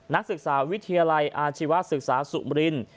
นักศึกษาวิทยาลัยอาชีวศึกษาสุมริน